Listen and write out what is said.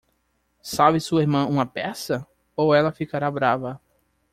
Salve sua irmã uma peça? ou ela ficará brava.